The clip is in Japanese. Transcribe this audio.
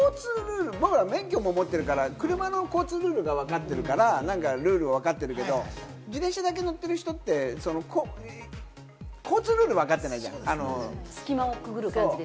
じゃないと逆走、交通ルール、僕は免許も持ってるから車の交通ルールがわかってるからルールはわかってるけど、自転車だけ乗ってる人って、交通ルールをわかってないじゃん。